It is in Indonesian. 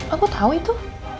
aku tau itu